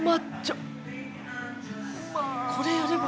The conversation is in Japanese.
これやれば。